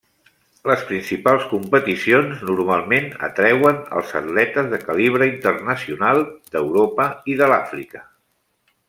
Les principals competicions normalment atreuen els atletes de calibre internacional d'Europa i de l'Àfrica.